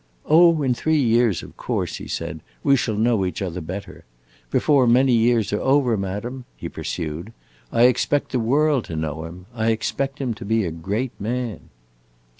"Oh, in three years, of course," he said, "we shall know each other better. Before many years are over, madam," he pursued, "I expect the world to know him. I expect him to be a great man!"